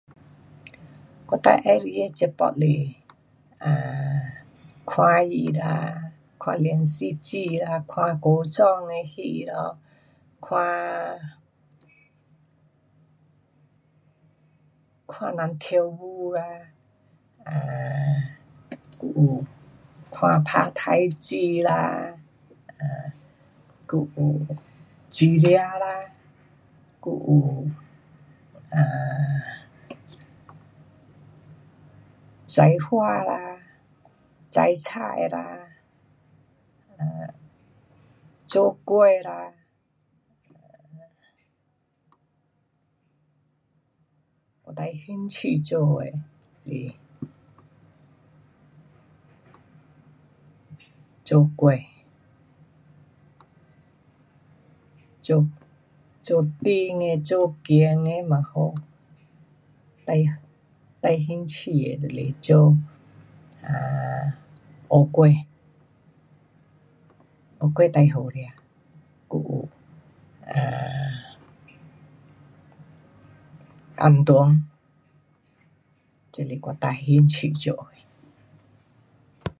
我最喜欢的节目是，啊，看戏啦，看连续剧啦，看古装的戏咯，看，看人跳舞啦，啊，还有看打太极啦，呃，还有煮吃啦，还有，啊，种花啦，种菜啦，呃，做糕啦，我最兴趣做的是，做糕，做甜的，做咸的也好。最兴趣的就是做，啊，芋糕，芋糕最好吃，还有，啊，红囤，这是我最兴趣做的。